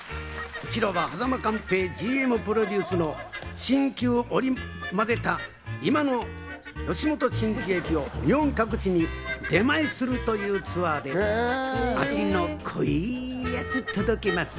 こちらは間寛平ＧＭプロデュースの新旧織り交ぜた、いまの吉本新喜劇を日本各地に出前するというツアーで、味の濃いやつ届けます。